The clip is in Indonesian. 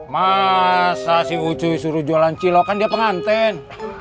masa si ucu suruh jualan cilok kan dia penganten